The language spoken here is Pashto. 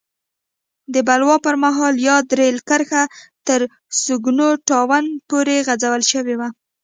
د بلوا پر مهال یاده رېل کرښه تر سونګو ټاون پورې غځول شوې وه.